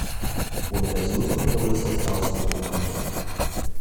Ohne Versionskontrolle ist das Chaos vorprogrammiert.